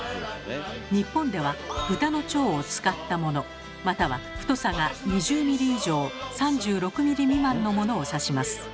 日本では豚の腸を使ったものまたは太さが２０ｍｍ以上３６ｍｍ未満のものを指します。